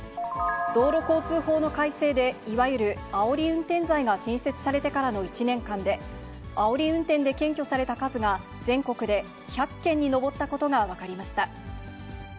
道路交通法の改正で、いわゆるあおり運転罪が新設されてからの１年間で、あおり運転で検挙された数が全国で１００件に上ったことが分かりました。